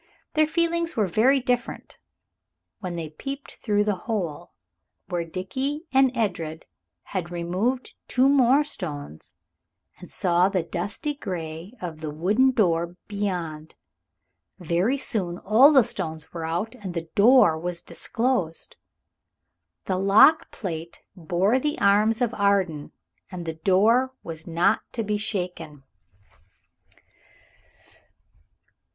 Their feelings were very different when they peeped through the hole, where Dickie and Edred had removed two more stones, and saw the dusty gray of the wooden door beyond. Very soon all the stones were out, and the door was disclosed. The lock plate bore the arms of Arden, and the door was not to be shaken.